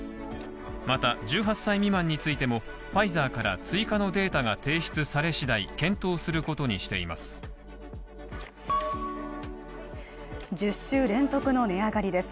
また、１８歳未満についても、ファイザーから追加のデータが提出され次第、検討することにしています。